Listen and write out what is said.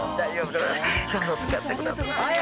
どうぞ使ってください。